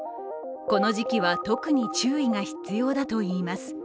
この時期は特に注意が必要だといいます。